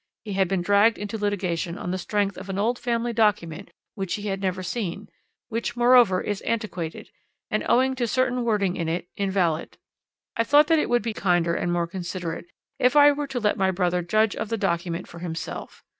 He had been dragged into litigation on the strength of an old family document which he had never seen, which, moreover, is antiquated, and, owing to certain wording in it, invalid. I thought that it would be kinder and more considerate if I were to let my brother judge of the document for himself.